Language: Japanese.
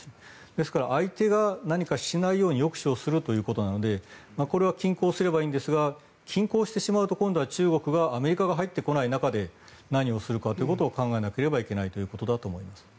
ですから相手が何かしないように抑止するということなのでこれは均衡すればいいんですが均衡してしまうと今度は中国がアメリカが入ってこない中で何をするかを考えなければいけないということだと思います。